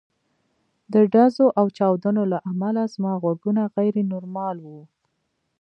د ډزو او چاودنو له امله زما غوږونه غیر نورمال وو